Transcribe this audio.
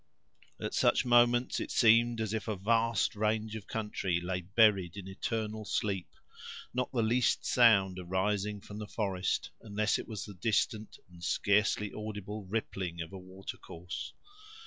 At such moments, it seemed as if a vast range of country lay buried in eternal sleep; not the least sound arising from the forest, unless it was the distant and scarcely audible rippling of a water course.